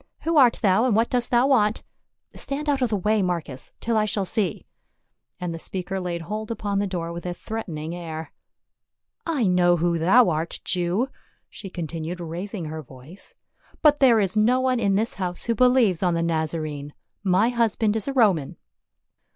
Who art thou, and what dost thou want? Stand out of the way, Marcus, till I shall see," and the speaker laid hold upon the door with a threatening air. " I know who thou art, Jew," she continued raising her voice, " but there is no one in this house who believes on the Nazarene ; my husband is a Roman."